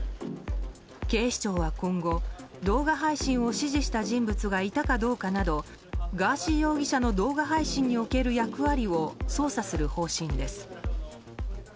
警視庁は今後、動画配信を指示した人物がいたかどうかなどガーシー容疑者の動画配信における役割を捜査する方針です。